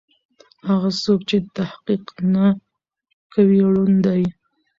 هغه څوک چې تحقيق نه کوي ړوند دی.